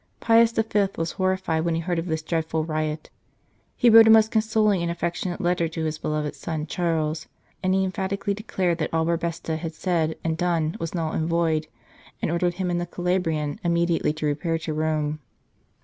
Pius V. was horrified when he heard of this dreadful riot. He wrote a most consoling and affectionate letter to his beloved son Charles, and he emphatically declared that all Barbesta had said and done was null and void, and ordered him and the Calabrian immediately to repair to Rome.